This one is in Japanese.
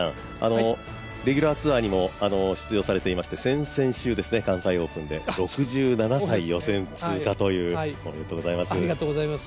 レギュラーツアーにも出場されていまして先々週、関西オープンで６７歳で予選通過というおめでとうございます。